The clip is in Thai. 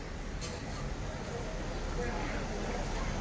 อร่อยหญิงเราต้องไปแบบใช้สอบแบบอยู่ทราบ